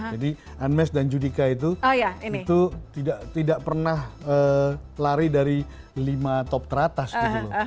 jadi nmesh dan judika itu tidak pernah lari dari lima top teratas gitu loh